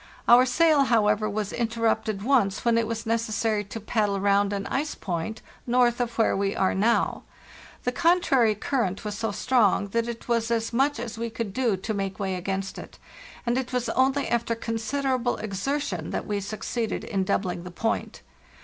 Our sail, however, was interrupted once when it was necessary to paddle round an ice point north of where we are now; the contrary current was so strong that it was as much as we could do to make way against it, and it was only after considerable exertion that we succeeded in doubling the point.